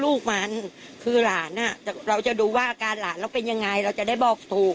ลูกมันคือหลานเราจะดูว่าอาการหลานเราเป็นยังไงเราจะได้บอกถูก